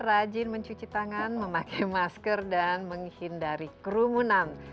rajin mencuci tangan memakai masker dan menghindari kerumunan